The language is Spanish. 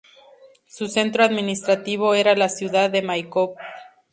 Su centro administrativo era la ciudad de Maikop.